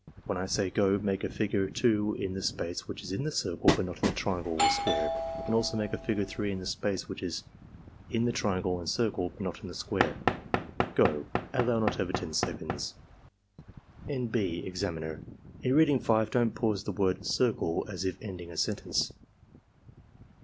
When I say 'go' make a figure 2 in the space which is in the circle but not in the triangle or square, and also make a figure 3 in the space which is in the triangle and circle, but not in the square. — Go!" (Allow not over 10 seconds.) {N. B. Examiner. — In reading 5, don't pause at the word CIRCLE as if ending a sentence.)